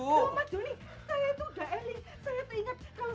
mas johnny saya itu udah eling